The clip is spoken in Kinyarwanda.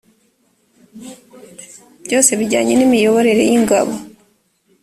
byose bijyanye n imiyoborere y ingabo